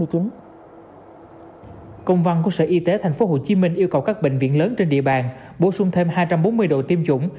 công văn của sở y tế tp hcm yêu cầu các bệnh viện lớn trên địa bàn bổ sung thêm hai trăm bốn mươi độ tiêm chủng